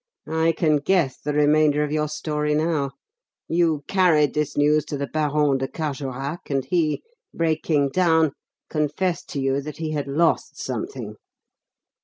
I can guess the remainder of your story now. You carried this news to the Baron de Carjorac, and he, breaking down, confessed to you that he had lost something."